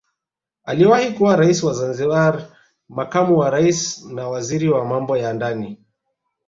Aliwahi kuwa rais wa Zanzibar makamu wa rais na waziri wa Mambo ya ndani